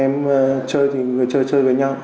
người chơi thì người chơi chơi với nhau